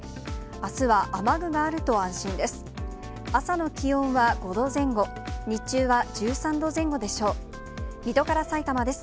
あすは雨具があると安心です。